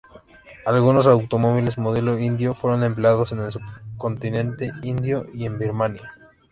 Algunos automóviles Modelo Indio fueron empleados en el subcontinente indio y en Birmania.